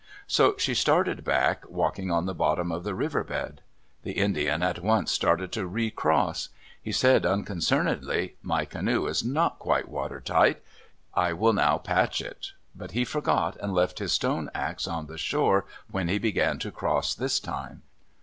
So she started back, walking on the bottom of the river bed. The Indian at once started to recross. He said, unconcernedly, "My canoe is not quite water tight. I will now patch it." But he forgot and left his stone ax on the shore when he began to cross this time.